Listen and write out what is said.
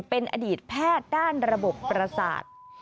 เป็นอดีตแพทย์ด้านระบบประสาท